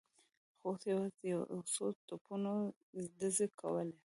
خو اوس یوازې یو څو توپونو ډزې کولې.